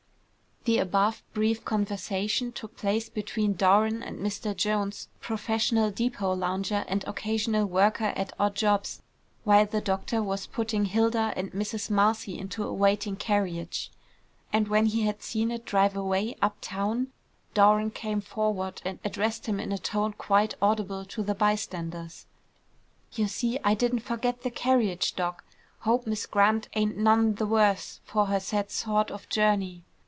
The above brief conversation took place between Doran and Mr. Jones, professional depôt lounger and occasional worker at odd jobs, while the doctor was putting Hilda and Mrs. Marcy into a waiting carriage, and when he had seen it drive away up town, Doran came forward and addressed him in a tone quite audible to the bystanders. "You see, I didn't forget the carriage, Doc. Hope Miss Grant ain't none the worse for her sad sort of journey."